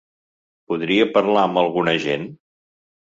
Podria parlar amb algun agent?